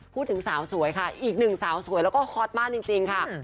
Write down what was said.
พูดถึงสาวสวยค่ะอีกหนึ่งสาวสวยแล้วก็ฮอตมากจริงค่ะ